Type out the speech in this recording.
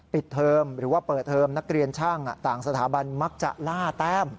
เทอมหรือว่าเปิดเทอมนักเรียนช่างต่างสถาบันมักจะล่าแต้ม